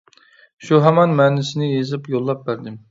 شۇ ھامان مەنىسىنى يېزىپ يوللاپ بەردىم.